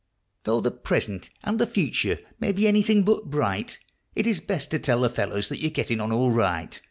Though the present and the future may be anything but bright. It is best to tell the fellows that you're getting on all right.